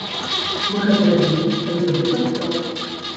Мы гэта рабілі, калі былі падставы.